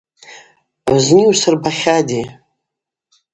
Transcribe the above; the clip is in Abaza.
Зны йусырбахьатӏи.